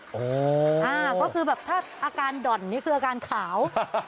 ก็คือแบบถ้าอาการด่อนนี่คืออาการขาว